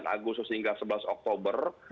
dua puluh sembilan agustus hingga sebelas oktober